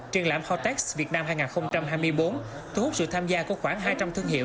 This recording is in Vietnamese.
triển lãm hotex việt nam hai nghìn hai mươi bốn thu hút sự tham gia của khoảng hai trăm linh thương hiệu